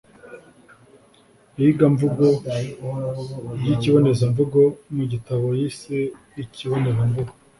iyigamvugo by’ikibonezamvugo mu gitabo yise Ikibonezamvugo